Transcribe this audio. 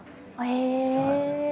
へえ！